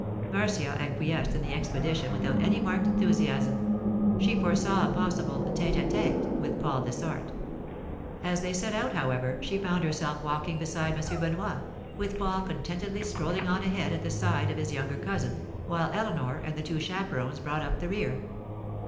Marcia acquiesced in the expedition without any marked enthusiasm; she foresaw a possible tête à tête with Paul Dessart. As they set out, however, she found herself walking beside M. Benoit, with Paul contentedly strolling on ahead at the side of his younger cousin, while Eleanor and the two chaperons brought up the rear.